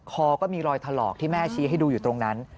คอก็มีรอยถลอกที่แม่ชี้ให้ดูอยู่ตรงนั้น